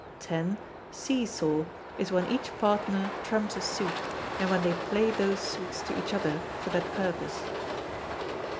x. See saw, is when each partner trumps a suit, and when they play those suits to each other for that purpose.